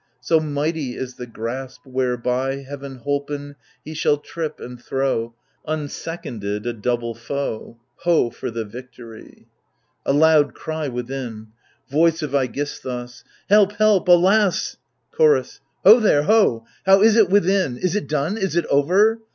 So mighty is the grasp whereby, Heaven holpen, he shall trip and throw, Unseconded, a double foe. Ho for the victory I * lA loud cry within. Voice of iEoisxHus Help, help, alas !_ Chorus Ho there, ho ! how is't within ? Is't done ? is't over